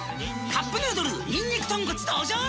「カップヌードルにんにく豚骨」登場！